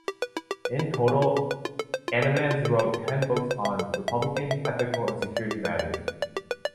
In total, Annemans wrote ten books on republican, ethical and security matters.